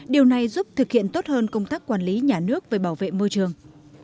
điều này giúp thực hiện tốt hơn công tác quản lý nhà nước về bảo vệ môi trường